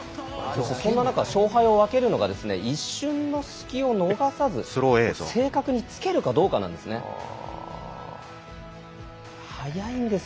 そんな中、勝敗を分けるのが一瞬の隙を逃さず正確に突けるかどうかなんです。